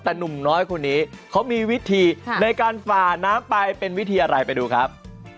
แต่หนุ่มน้อยคนนี้เขามีวิธีในการฝ่าน้ำไปเป็นวิธีอะไรไปดูครับ